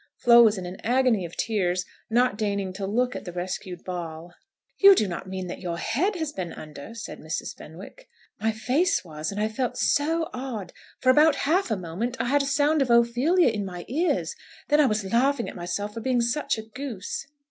Flo was in an agony of tears, not deigning to look at the rescued ball. "You do not mean that your head has been under?" said Mrs. Fenwick. "My face was, and I felt so odd. For about half a moment I had a sound of Ophelia in my ears. Then I was laughing at myself for being such a goose."